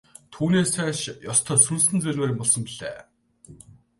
Түүнээс цааш ёстой сүнс зайлмаар юм болсон билээ.